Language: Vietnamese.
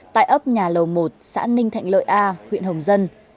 tại ấp nhà lầu một xã ninh thạnh lợi a huyện hồng dân